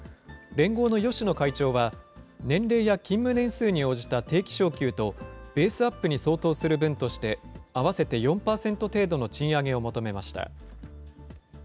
連合の芳野会長は、年齢や勤務年数に応じた定期昇給と、ベースアップに相当する分として、合わせて４％程度の賃上げを求めました。